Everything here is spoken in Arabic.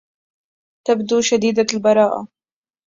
تبدو شديدة البراءة.